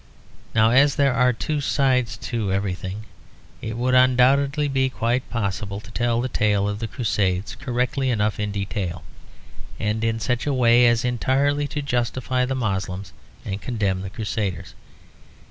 Now as there are two sides to everything, it would undoubtedly be quite possible to tell the tale of the Crusades, correctly enough in detail, and in such a way as entirely to justify the Moslems and condemn the Crusaders.